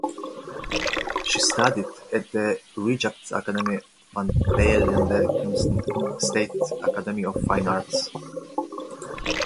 She studied at the "Rijksakademie van beeldende kunsten" (State Academy of Fine Arts).